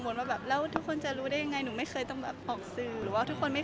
พอเช้าวันลุกขึ้นมาก็มีคนกลิ่นในแท็กว่า